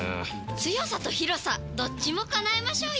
強さと広さどっちも叶えましょうよ！